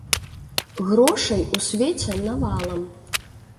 Грошай у свеце навалам!